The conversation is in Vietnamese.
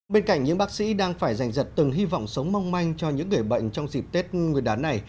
bên cạnh những bác sĩ đang phải giành giật từng hy vọng sống mong manh cho những người bệnh trong dịp tết nguyên đán này